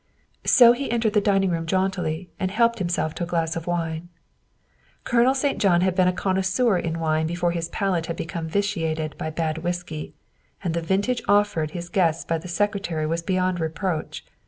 So he entered the dining room jauntily and helped himself to a glass of wine. Colonel St. John had been a connoisseur in wine before his palate had become vitiated by bad whiskey, and the vintage offered his guests by the Secretary was beyond reproach.